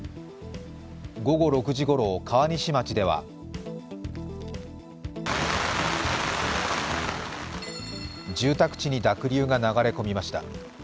午後６時ごろ、川西町では住宅地に濁流が流れ込みました。